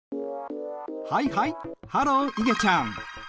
はいはいハローいげちゃん。